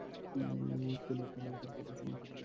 কোলে টানিয়া তার কপাল চুম্বন করিলাম।